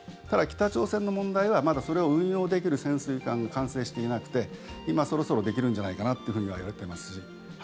ただ、北朝鮮の問題はまだそれを運用できる潜水艦が完成していなくて今、そろそろできるんじゃないかなとはいわれています。